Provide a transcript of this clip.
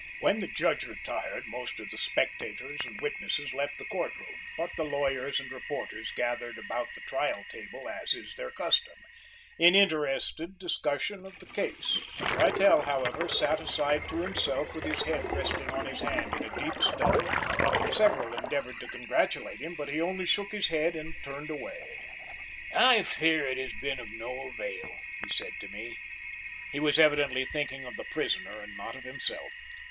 When the Judge retired, most of the spectators and witnesses left the court room, but the lawyers and reporters gathered about the trial table as is their custom in interested discussion of the case. Littell, however, sat aside to himself with his head resting on his hand in a deep study. Several endeavored to congratulate him, but he only shook his head and turned away. "I fear it has been of no avail," he said to me. He was evidently thinking of the prisoner and not of himself.